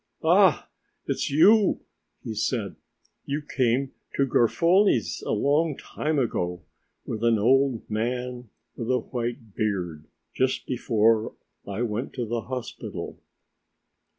"Ah, it's you," he said. "You came to Garofoli's a long time ago with an old man with a white beard, just before I went to the hospital.